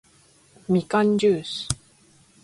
みかんじゅーす